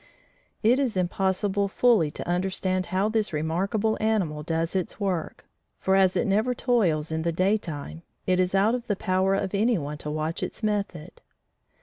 It is impossible fully to understand how this remarkable animal does its work, for as it never toils in the day time, it is out of the power of any one to watch its method.